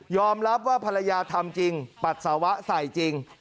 รับว่าภรรยาทำจริงปัสสาวะใส่จริง